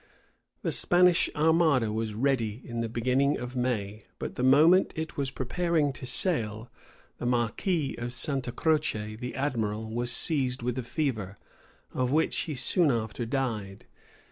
The Spanish armada was ready in the beginning of May; but the moment it was preparing to sail, the marquis of Santa Croce, the admiral, was seized with a fever, of which he soon after died.